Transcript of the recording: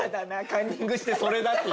カンニングして「それだ！」って。